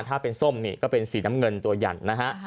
ถ้าเป็นส้มนี่ก็เป็นสีน้ำเงินตัวยันนะฮะ